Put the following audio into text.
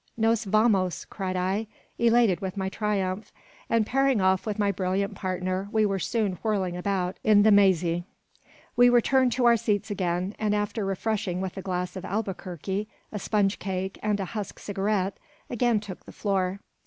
"Nos vamos!" cried I, elated with my triumph; and pairing off with my brilliant partner, we were soon whirling about in the mazy. We returned to our seats again, and after refreshing with a glass of Albuquerque, a sponge cake, and a husk cigarette, again took the floor.